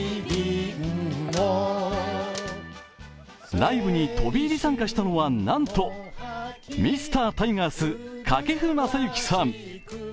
ライブに飛び入り参加したのは、なんとミスタータイガース、掛布雅之さん。